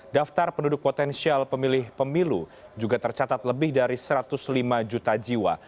daftar penduduk potensial pemilih pemilu juga tercatat lebih dari satu ratus lima juta jiwa